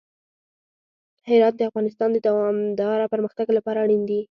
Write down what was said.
هرات د افغانستان د دوامداره پرمختګ لپاره اړین دي.